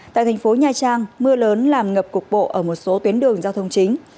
tại thành phố nha trang mưa lớn làm ngập cục bộ ở một số tuyến đường giao thông chính